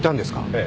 ええ。